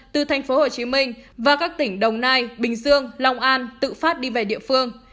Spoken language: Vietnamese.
từ tp hcm và các tỉnh đồng nai bình dương long an tự phát đi về địa phương